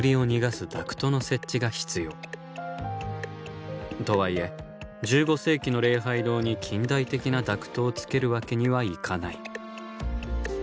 日本のとはいえ１５世紀の礼拝堂に近代的なダクトをつけるわけにはいかない。